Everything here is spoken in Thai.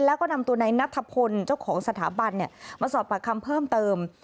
แล้วก็นำตัวนายนัทพลเจ้าของสถาบันมาสอบปากคำเพิ่มเติม